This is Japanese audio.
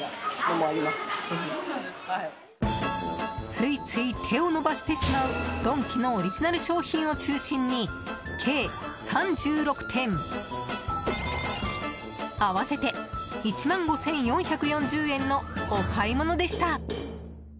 ついつい手を伸ばしてしまうドンキのオリジナル商品を中心に計３６点、合わせて１万５４４０円のお買い物でした。